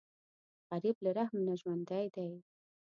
غریب له رحم نه ژوندی دی